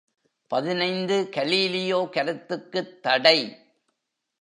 பதினைந்து கலீலியோ கருத்துக்குத்தடை!